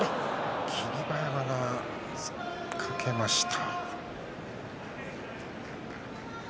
霧馬山が突っかけました。